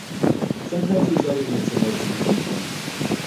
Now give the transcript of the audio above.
Sometimes these other units are more convenient to use.